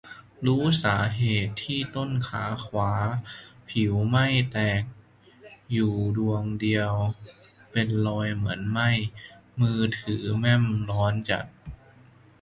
รู้สาเหตุที่ต้นขาขวาผิวแห้งแตกอยู่ดวงเดียว เป็นรอยเหมือนไหม้ มือถือแม่มร้อนจัด